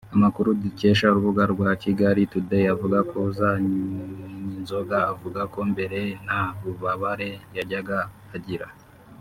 Amakuru dukesha urubuga rwa Kigalitoday avuga ko Uzanyinzoga avuga ko mbere nta bubabare yajyaga agira